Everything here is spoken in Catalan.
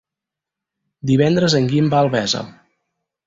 Divendres en Guim va a Albesa.